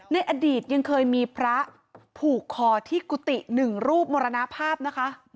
ในอดีตยังเคยมีพระผูกคอที่กุฏิหนึ่งรูปมรณภาพนะคะ